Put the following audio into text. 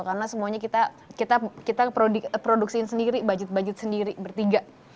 karena semuanya kita produksiin sendiri budget budget sendiri bertiga